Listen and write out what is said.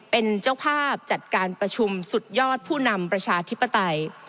เป็นเจ้าภาพจัดการประชุมสุดยอดผู้นำประชาธิปไตย